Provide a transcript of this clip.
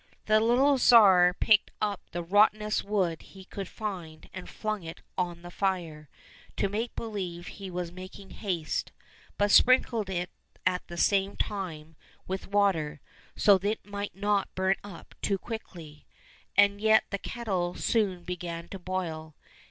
" The little Tsar picked up the rottenest wood he could find and flung it on the fire, to make believe he was making haste, but sprinkled it at the same time with water, so that it might not burn up too quickly, and yet 72 LITTLE TSAR NOVISHNY the kettle soon began to boil.